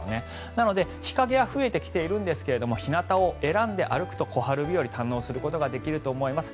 なので日影が増えてきているんですが日なたを選んで歩くと小春日和を堪能することができると思います。